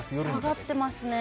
下がってますね。